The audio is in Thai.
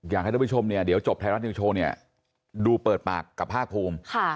อยากให้ทุกผู้ชมเนี่ยเดี๋ยวจบไทยรัฐนิวโชว์เนี่ยดูเปิดปากกับภาคภูมิ